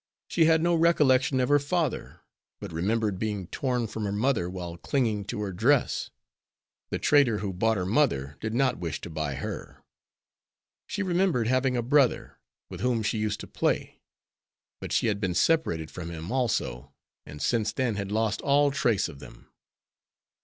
She had no recollection of her father, but remembered being torn from her mother while clinging to her dress. The trader who bought her mother did not wish to buy her. She remembered having a brother, with whom she used to play, but she had been separated from him also, and since then had lost all trace of them.